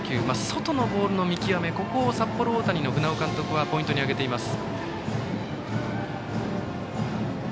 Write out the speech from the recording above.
外のボールの見極めを札幌大谷の船尾監督はポイントに挙げています。